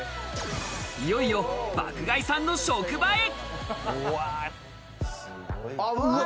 いよいよ爆買いさんの職場へ。